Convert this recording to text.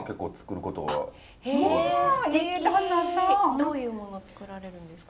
どういうものを作られるんですか？